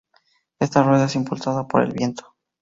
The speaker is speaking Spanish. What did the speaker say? Esta rueda es impulsada por el viento.